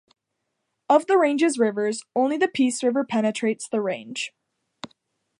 Of the range's rivers, only the Peace River penetrates the range.